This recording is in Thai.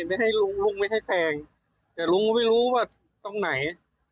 ไม่ให้ลุงลุงไม่ให้แซงแต่ลุงก็ไม่รู้ว่าตรงไหน